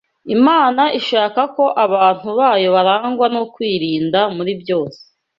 Imana ishaka ko abantu bayo barangwa no kwirinda muri byose